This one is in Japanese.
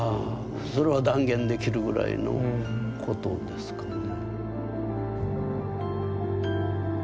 それは断言できるぐらいのことですかね。